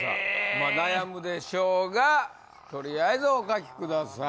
まあ悩むでしょうがとりあえずお書きください